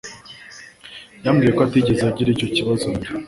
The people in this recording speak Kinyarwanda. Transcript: yambwiye ko atigeze agira icyo kibazo mbere